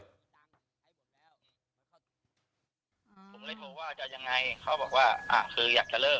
ผมเลยโทรว่าจะยังไงเขาบอกว่าอ่ะคืออยากจะเลิก